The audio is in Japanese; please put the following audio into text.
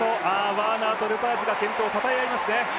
ワーナーとルパージュが健闘をたたえ合いますね。